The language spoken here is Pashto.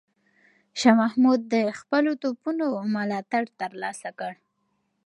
شاه محمود د خپلو توپونو ملاتړ ترلاسه کړ.